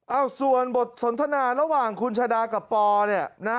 ส่วนบทสนทนาระหว่างคุณชาดากับปอเนี่ยนะ